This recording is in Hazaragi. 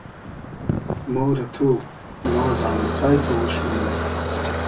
مۉ رۂ تو ، ما زامئتای تو اوش مونوم